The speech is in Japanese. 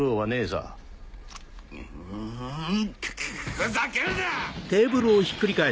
ふざけるな‼